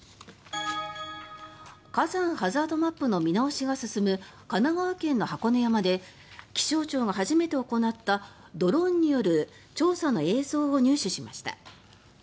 火山ハザードマップの見直しが進む神奈川県の箱根山で気象庁が初めて行ったドローンによる調査の映像を入手しました。